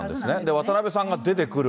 渡辺さんが出てくる。